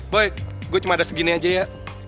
boy gue cuma ada segini aja ya